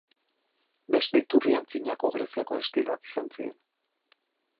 Beste iturri Antzinako Greziako estiloak izan ziren.